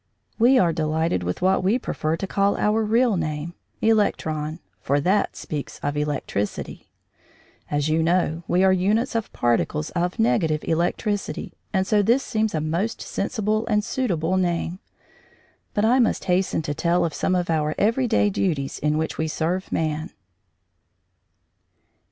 We are delighted with what we prefer to call our real name electron for that speaks of electricity. As you know, we are units of particles of negative electricity, and so this seems a most sensible and suitable name. But I must hasten to tell of some of our everyday duties in which we serve man.